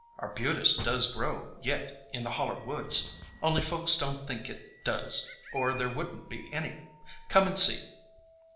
"Arbutus does grow yet in the Holler woods, only folks don't think it does or there would n't be any. Come and see!"